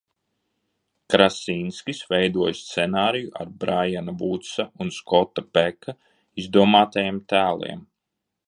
Krasinskis veidojis scenāriju ar Braiana Vudsa un Skota Beka izdomātajiem tēliem.